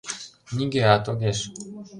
— Нигӧат огеш.